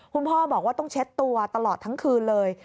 คุณพ่อบอกว่าต้องเช็ดตัวตลอดทั้งคืนเลย